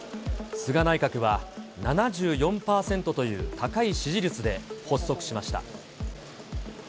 菅内閣は、７４％という高い支持率で発足しました。